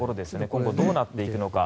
今後どうなっていくのか。